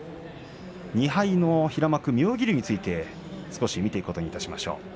２敗の平幕、妙義龍について少し見ていくことにいたしましょう。